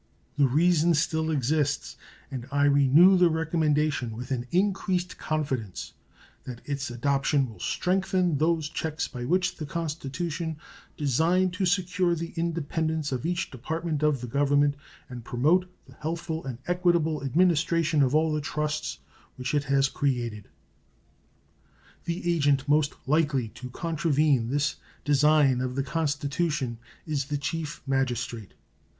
The reason still exists, and I renew the recommendation with an increased confidence that its adoption will strengthen those checks by which the Constitution designed to secure the independence of each department of the Government and promote the healthful and equitable administration of all the trusts which it has created. The agent most likely to contravene this design of the Constitution is the Chief Magistrate.